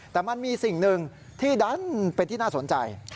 แต่มันมีสิ่งหนึ่งที่ดันเป็นที่น่าสนใจ